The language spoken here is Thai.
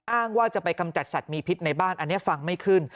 อ้างว่าจะไปกำจัดสัตว์มีพิษในบ้านอันนี้ฟังไม่ขึ้น